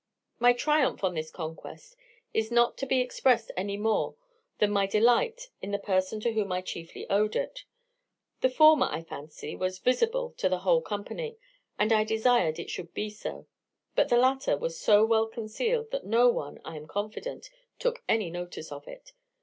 My triumph on this conquest is not to be expressed any more than my delight in the person to whom I chiefly owed it. The former, I fancy, was visible to the whole company; and I desired it should be so; but the latter was so well concealed, that no one, I am confident, took any notice of it.